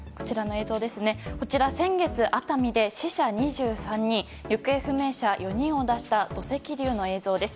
こちらは先月熱海で死者２３人行方不明者４人を出した土石流の映像です。